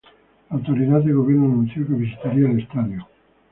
La autoridad de gobierno anunció que visitaría el estadio.